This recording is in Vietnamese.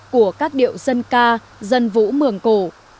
của các điệu dân ca dân vũ mường cổ